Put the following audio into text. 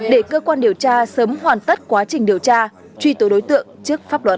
để cơ quan điều tra sớm hoàn tất quá trình điều tra truy tố đối tượng trước pháp luật